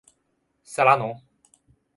塞拉农。